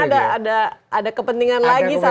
jadi mungkin ada kepentingan lagi satu lagi